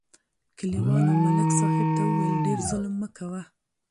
کلیوالو ملک صاحب ته وویل: ډېر ظلم مه کوه.